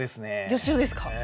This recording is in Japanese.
善男ですか。